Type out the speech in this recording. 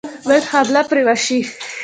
باید حمله پرې وشي.